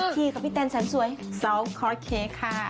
ฮ่าพี่แตนฉันสวยซาวคอร์สเค้กค่ะ